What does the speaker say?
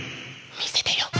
みせてよ。